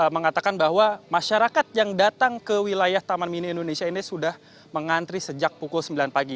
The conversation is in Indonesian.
mengatakan bahwa masyarakat yang datang ke wilayah taman mini indonesia ini sudah mengantri sejak pukul sembilan pagi